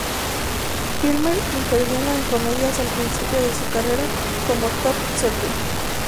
Kilmer intervino en comedias al principio de su carrera, como "Top Secret!